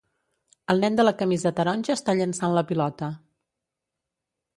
El nen de la camisa taronja està llançant la pilota.